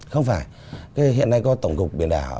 không phải hiện nay có tổng cục biển đảo